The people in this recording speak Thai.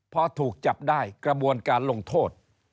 พอถูกจับได้กระบวนการลงโทษ